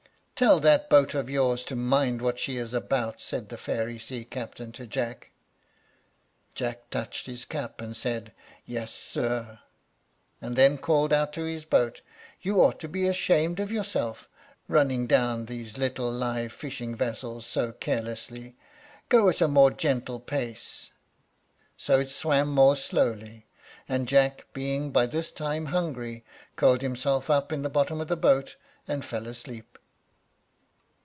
"Tell that boat of yours to mind what she is about," said the fairy sea captain to Jack. Jack touched his hat, and said, "Yes, sir," and then called out to his boat, "You ought to be ashamed of yourself, running down these little live fishing vessels so carelessly. Go at a more gentle pace." So it swam more slowly; and Jack, being by this time hungry, curled himself up in the bottom of the boat, and fell asleep.